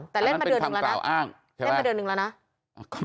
แต่เล่นมาเดือนหนึ่งแล้วนะอันนั้นเป็นคำกล่าวอ้างใช่ไหมเล่นมาเดือนหนึ่งแล้วนะ